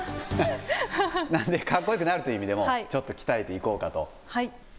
なので、かっこよくなるという意味でもちょっと鍛えていこうかと。